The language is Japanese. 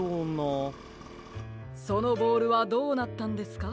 そのボールはどうなったんですか？